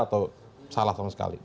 atau salah sama sekali